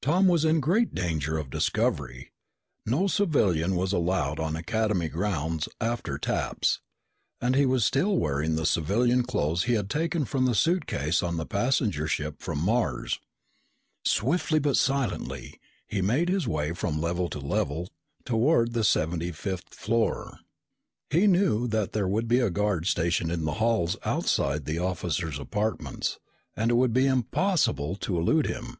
Tom was in great danger of discovery. No civilian was allowed on Academy grounds after taps. And he was still wearing the civilian clothes he had taken from the suitcase on the passenger ship from Mars. Silently but swiftly, he made his way from level to level toward the seventy fifth floor. He knew that there would be a guard stationed in the halls outside the officers' apartments and it would be impossible to elude him.